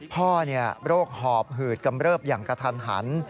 พ่อโรคหอบหืดกำเริบอย่างกระทันหัน